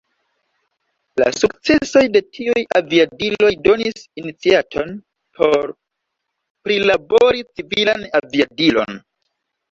La sukcesoj de tiuj aviadiloj donis iniciaton por prilabori civilan aviadilon.